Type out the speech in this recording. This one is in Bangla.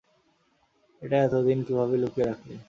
এটা এতোদিন কিভাবে লুকিয়ে রাখলে?